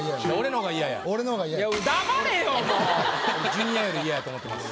ジュニアより嫌やと思ってます。